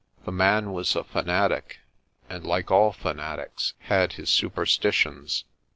The man was a fanatic, and like all fanatics had his superstitions.